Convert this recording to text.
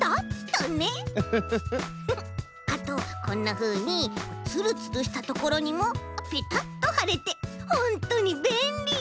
あとこんなふうにツルツルしたところにもぺたっとはれてほんとにべんり！